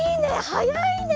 はやいね！